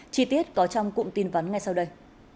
chi tiết có trong cụm tin vắn ngay sau đây